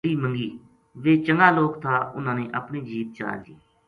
گَڈی منگی ویہ چنگا لوک تھا اُنھاں نے اپنی جیپ چا دِتی